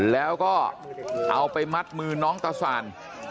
แล้วก็เอาไปมัดมือน้องตาสาน